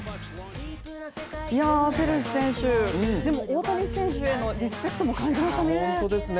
ペレス選手、大谷選手へのリスペクトも感じましたね。